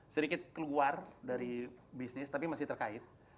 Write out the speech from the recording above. sedikit keluar dari bisnis tapi masih terkait